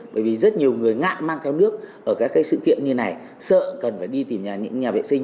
bởi vì rất nhiều người ngại mang theo nước ở các cái sự kiện như này sợ cần phải đi tìm nhà vệ sinh